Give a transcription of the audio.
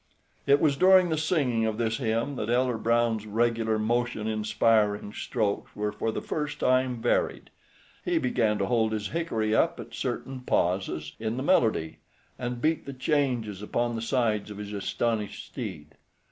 It was during the singing of this hymn that Elder Brown's regular motion inspiring strokes were for the first time varied. He began to hold his hickory up at certain pauses in the melody, and beat the changes upon the sides of his astonished steed.